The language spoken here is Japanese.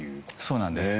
そうなんです。